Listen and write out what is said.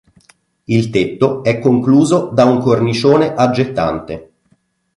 Il tetto è concluso da un cornicione aggettante.